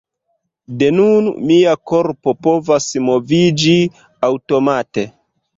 De nun, mia korpo povas moviĝi aŭtomate.